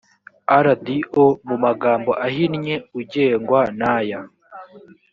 rdo mu magambo ahinnye ugengwa n aya